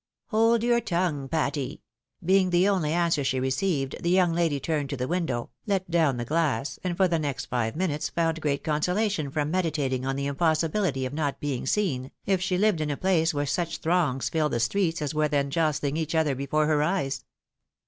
" Hold your tongue, Patty,'' being the only answer she received, the young lady turned to the window, let down the glass, and for the next five minutes found great consolation from meditating on the impossibility of not being seen, if she hved in a place where such throngs filled the streets as were then jostling each other before her eyes.